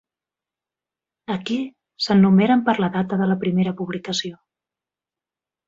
Aquí s'enumeren per la data de la primera publicació.